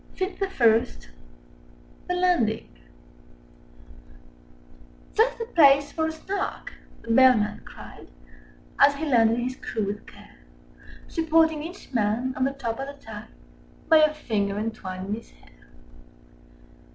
Fit the First THE LANDING "Just the place for a Snark!" the Bellman cried, Â Â Â Â As he landed his crew with care; Supporting each man on the top of the tide Â Â Â Â By a finger entwined in his hair.